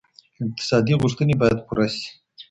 اقتصادي غوښتنې باید پوره سي.